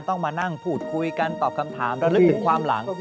ต้องมานั่งพูดคุยกันตอบคำถามระลึกถึงความหลัง